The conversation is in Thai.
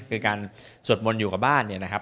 คือการสวดมนต์อยู่กับบ้านเนี่ยนะครับ